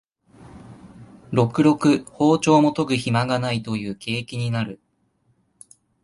ろくろく庖丁も研ぐひまがないという景気になる